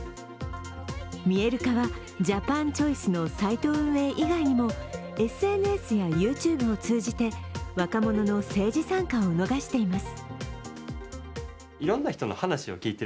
Ｍｉｅｌｋａは、ＪＡＰＡＮＣＨＯＩＣＥのサイト運営以外にもＳＮＳや、ＹｏｕＴｕｂｅを通じて若者の政治参加を促しています。